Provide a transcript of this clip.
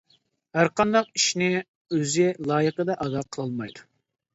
ھەر قانداق ئىشنى ئۆزى لايىقىدا ئادا قىلالمايدۇ.